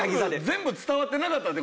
全部伝わってなかったって事？